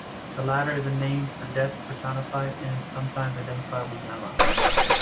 The latter is a name for death personified and is sometimes identified with Yama.